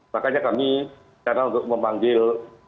makanya kami channel untuk memanggil delapan puluh delapan